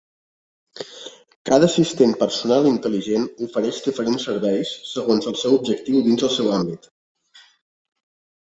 Cada assistent personal intel·ligent ofereix diferents serveis segons el seu objectiu dins el seu àmbit.